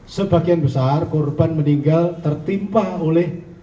sebagian besar kurban meninggal tertimpah oleh